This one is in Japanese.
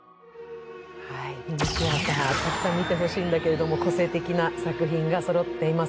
ミニシアター、たくさん見てほしいんだけども、個性的な作品がそろっています。